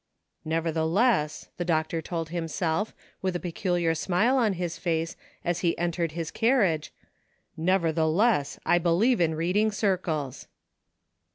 " Nevertheless," the doctor told himself, with a peculiar smile on his face, as he entered his car riage, " nevertheless, I believe in reading circles."